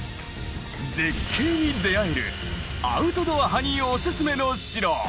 絶景に出会えるアウトドア派におすすめの城。